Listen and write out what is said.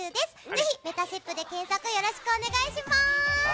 ぜひ「めたしっぷ」で検索よろしくお願いします。